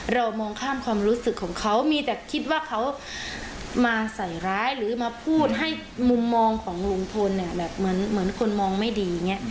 เรามองข้ามความรู้สึกของเขามีแต่คิดว่าเขามาใส่ร้ายหรือมาพูดให้มุมมองของลุงพลเนี่ยแบบเหมือนคนมองไม่ดีอย่างนี้